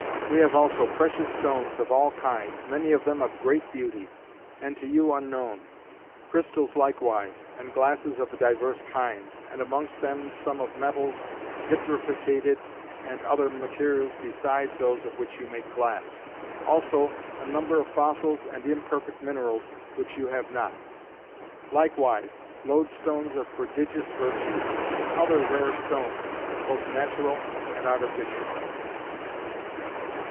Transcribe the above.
"We have also precious stones of all kinds, many of them of great beauty, and to you unknown; crystals likewise; and glasses of divers kinds; and amongst them some of metals vitrificated, and other materials besides those of which you make glass. Also a number of fossils, and imperfect minerals, which you have not. Likewise loadstones of prodigious virtue; and other rare stones, both natural and artificial.